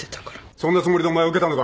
そんなつもりでお前は受けたのか！？